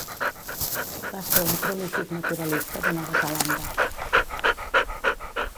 Va ser un prolífic naturalista de Nova Zelanda.